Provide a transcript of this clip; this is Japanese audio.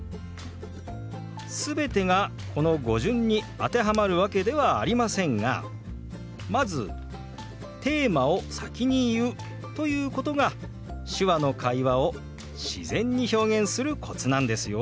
全てがこの語順に当てはまるわけではありませんがまずテーマを先に言うということが手話の会話を自然に表現するコツなんですよ。